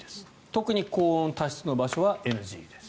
特に高温多湿の場所はＮＧです。